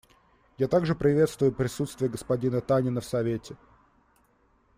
Я также приветствую присутствие господина Танина в Совете.